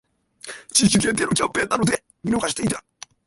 地域限定のキャンペーンなので見逃していた